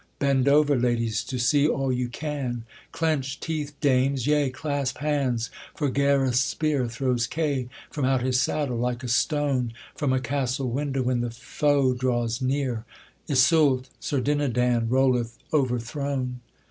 Bend over, ladies, to see all you can! Clench teeth, dames, yea, clasp hands, for Gareth's spear Throws Kay from out his saddle, like a stone From a castle window when the foe draws near: Iseult! Sir Dinadan rolleth overthrown.